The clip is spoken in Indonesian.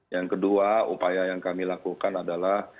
yang kedua upaya yang kami lakukan adalah